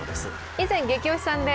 以前、ゲキ推しさんで。